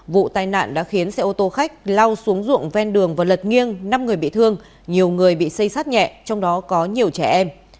vụ tai nạn đã khiến xe ô tô khách lao xuống ruộng ven đường và lật nghiêng năm người bị thương nhiều người bị xây sát nhẹ trong đó có nhiều trẻ em